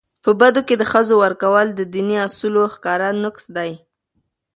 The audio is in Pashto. په بدو کي د ښځو ورکول د دیني اصولو ښکاره نقض دی.